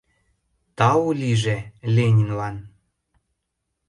Тау лийже Ленинлан